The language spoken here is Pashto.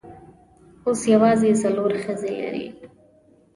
اوس یوازې څلور ښځې لري.